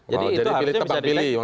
jadi itu harusnya bisa di take down